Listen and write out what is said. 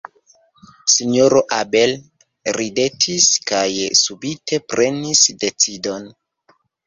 Sinjoro Abel ridetis, kaj subite prenis decidon.